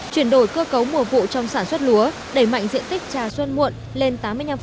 chuyển đổi cơ cấu mùa vụ trong sản xuất lúa đẩy mạnh diện tích trà xuân muộn lên tám mươi năm